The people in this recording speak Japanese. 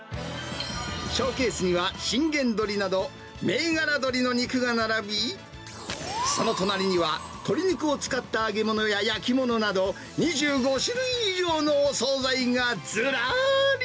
ショーケースには、しんげんどりなど、銘柄鶏の肉が並び、その隣には鶏肉を使った揚げ物や焼き物など、２５種類以上のお総菜がずらーり。